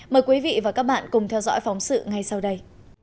mời quý vị và các bạn cùng theo dõi phóng sự ngay sau đây